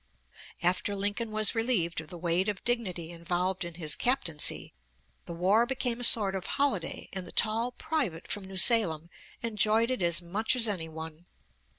After Lincoln was relieved of the weight of dignity involved in his captaincy, the war became a sort of holiday, and the tall private from New Salem enjoyed it as much as any one.